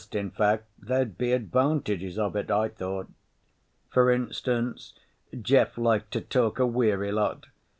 In fact there'd be advantages of it, I thought. For instance, Jeff liked to talk a weary lot